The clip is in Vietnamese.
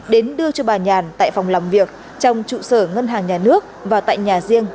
đến đưa cho bà nhàn tại phòng làm việc trong trụ sở ngân hàng nhà nước và tại nhà riêng